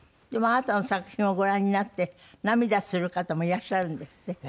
でもあなたの作品をご覧になって涙する方もいらっしゃるんですって？